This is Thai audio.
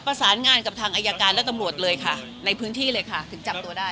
ประสานงานกับทางอายการและตำรวจเลยค่ะในพื้นที่เลยค่ะถึงจับตัวได้